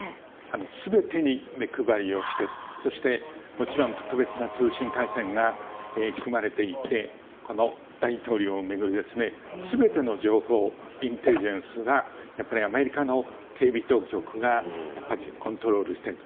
全てに目配りをしてもちろん特別な通信回線が組まれていてこの大統領を巡る全ての情報、インテリジェンスがアメリカの警備当局がコントロールしていると。